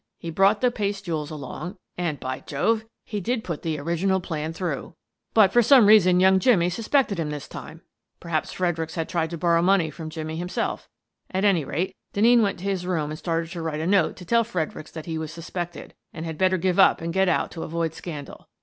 He brought the paste jewels along and — by Jove! — he did put the original plan through. " But for some reason young Jimmie suspected We Hunt for Blood stains 117 him this time. Perhaps Fredericks had tried to borrow money from Jimmie himself. At any rate, Denneen went to his room and started to write a note to tell Fredericks that he was suspected, and had better give up and get out to avoid scandal.